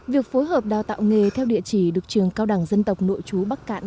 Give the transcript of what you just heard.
việc phối hợp đào tạo nghề theo địa chỉ được trường cao đẳng dân tộc nội chú bắc cạn